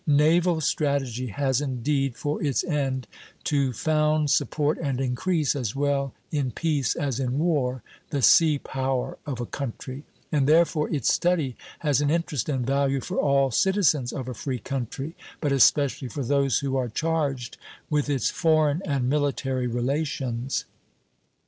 "Naval strategy has indeed for its end to found, support, and increase, as well in peace as in war, the sea power of a country;" and therefore its study has an interest and value for all citizens of a free country, but especially for those who are charged with its foreign and military relations.